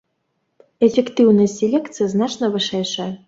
Эфектыўнасць селекцыі значна вышэйшая.